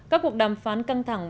các cuộc đàm phán căng thẳng